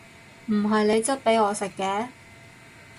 唔係你質俾我食嘅！